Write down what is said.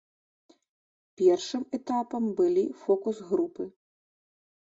Першым этапам былі фокус-групы.